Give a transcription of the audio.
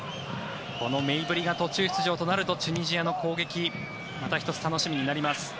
このメイブリが途中出場となるとチュニジアの攻撃また１つ楽しみになります。